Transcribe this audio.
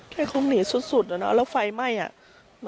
แค่คงหนีสุดแล้วไฟไหม้อ่ะ